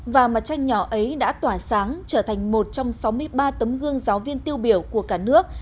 và mặt tranh nhỏ ấy đã tỏa sáng trở thành một trong sáu mươi ba tấm gương giáo viên tiêu biểu của cả nước